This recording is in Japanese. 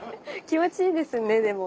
気持ちいいですねでも。